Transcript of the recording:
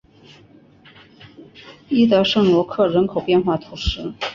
伊德圣罗克人口变化图示